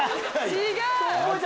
違う！